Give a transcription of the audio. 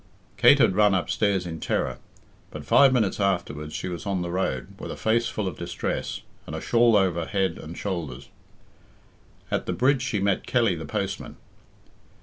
Kate had run upstairs in terror, but five minutes afterwards she was on the road, with a face full of distress, and a shawl over head and shoulders. At the bridge she met Kelly, the postman.